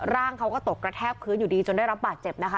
ร่างเขาก็ตกกระแทกพื้นอยู่ดีจนได้รับบาดเจ็บนะคะ